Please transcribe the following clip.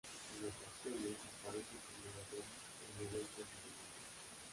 En ocasiones aparece como orador en eventos Mormones.